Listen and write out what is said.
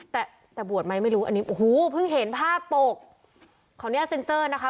แต่แต่บวชไหมไม่รู้อันนี้โอ้โหเพิ่งเห็นภาพปกขออนุญาตเซ็นเซอร์นะคะ